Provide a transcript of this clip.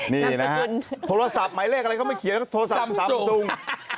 นี่นะฮะโทรศัพท์หมายเลขอะไรก็ไม่เขียนโทรศัพท์สามซุง